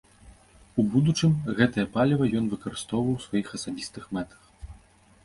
У будучым гэтае паліва ён выкарыстоўваў у сваіх асабістых мэтах.